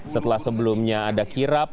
setelah sebelumnya ada kirap